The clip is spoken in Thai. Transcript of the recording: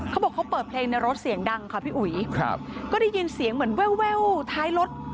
เขาบอกเขาเปิดเพลงในรถเสียงดังค่ะพี่อุ๋ยครับก็ได้ยินเสียงเหมือนแววท้ายรถ